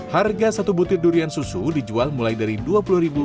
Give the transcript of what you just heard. harga satu butir durian susu dijual mulai dari rp dua puluh